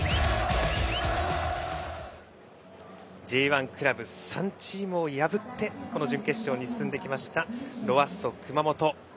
Ｊ１クラブ３チームを破ってこの準決勝に進んできましたロアッソ熊本。